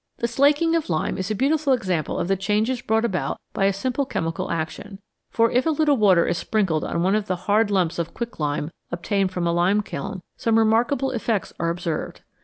The slaking of lime is a beautiful example of the changes brought about by a simple chemical action ; for if a little water is sprinkled on one of the hard lumps of quicklime obtained from a lime kiln, some remarkable effects are observed.